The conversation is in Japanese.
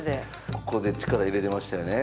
ここで力入れてましたよね。